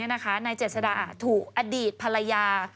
นายเจษดาถูกอดีตภรรยา